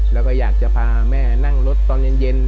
แล้วก็อยากจะพาแม่นั่งรถตอนเย็น